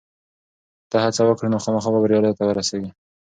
که ته هڅه وکړې نو خامخا به بریا ته ورسېږې.